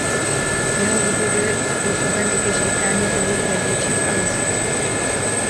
Jeho zuby byly uzpůsobeny ke žvýkání tuhých větviček a listů.